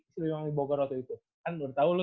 sriwangi bogoroto itu kan lu udah tau lu